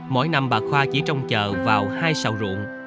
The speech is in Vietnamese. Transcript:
mỗi năm bà hoa chỉ trông chờ vào hai sào ruộng